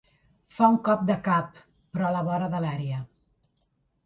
Fa un cop de cap, però a la vora de l'àrea.